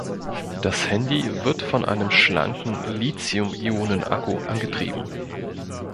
Das Handy wird von einem schlanken Lithium-Ionen-Akku angetrieben.